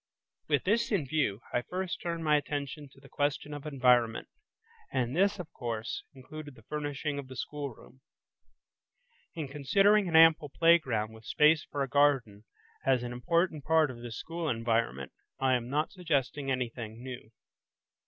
With this in view, I first turned my attention to the question of environment, and this, of course, included the furnishing of the schoolroom. In considering an ample playground with space for a garden as an important part of this school environment, I am not suggesting anything new.